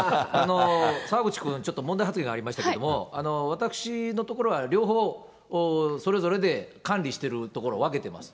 澤口君、ちょっと問題発言がありましたけれども、私のところは両方それぞれで管理してるところを分けてます。